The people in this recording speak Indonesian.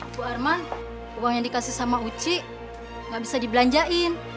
bu arman uang yang dikasih sama uci gak bisa dibelanjain